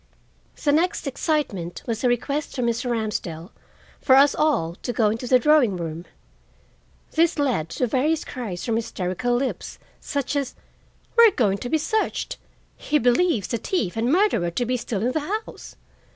The next excitement was a request from Mr. Ramsdell for us all to go into the drawing room. This led to various cries from hysterical lips, such as, "We are going to be searched!" "He believes the thief and murderer to be still in the house!"